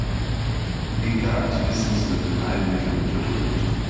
Linker Aktivismus wird mit allen Mitteln unterdrückt.